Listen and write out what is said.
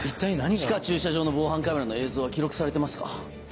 地下駐車場の防犯カメラの映像は記録されていますか？